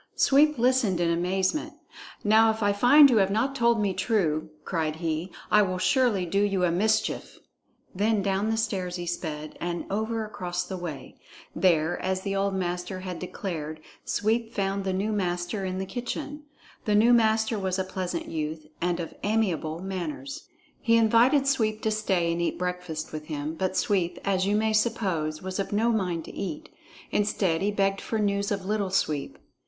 Sweep listened in amazement. "Now if I find you have not told me true," cried he, "I will surely do you a mischief!" Then down the stairs he sped, and over across the way. There, as the old master had declared, Sweep found the new master in the kitchen. The new master was a pleasant youth, and of amiable manners. He invited Sweep to stay and eat breakfast with him, but Sweep, as you may suppose, was of no mind to eat. Instead, he begged for news of Little Sweep.